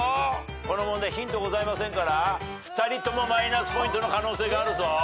この問題ヒントございませんから２人ともマイナスポイントの可能性があるぞ。